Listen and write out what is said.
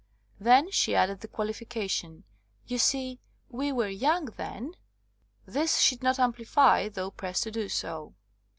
Then she added the qualification, "You see, we were young then." This she did not amplify, though pressed to do so.